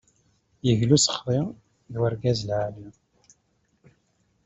Igla, usexḍi, d urgaz lɛali.